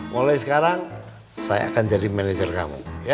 mulai sekarang saya akan jadi manajer kamu